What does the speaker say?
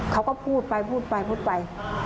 เขาก็พูดไปพูดไปพูดไป